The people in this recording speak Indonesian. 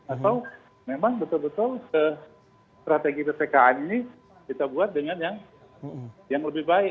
atau memang betul betul strategi ppkm ini kita buat dengan yang lebih baik